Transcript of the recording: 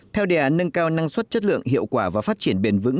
theo đề án nâng cao năng suất chất lượng hiệu quả và phát triển bền vững